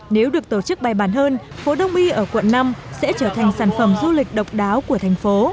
nếu được tổ chức bài bản hơn phố đông y ở quận năm sẽ trở thành sản phẩm du lịch độc đáo của thành phố